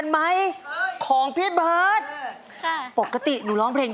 ใจรองได้ช่วยกันรองด้วยนะคะ